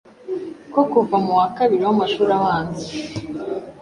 ko Kuva mu wa kabiri w’amashuri abanza,